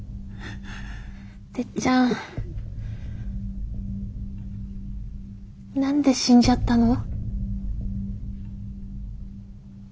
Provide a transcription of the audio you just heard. てっちゃん何で死んじゃったの？